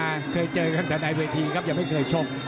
โดยไม่ค่อยเจอกันแต่ในวีทีครับยังไม่เคยชม